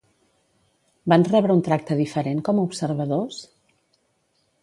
Van rebre un tracte diferent com a observadors?